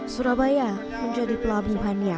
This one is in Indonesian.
surabaya menjadi pelabuhannya